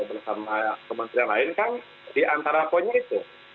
bersama kementerian lain kan diantara poinnya itu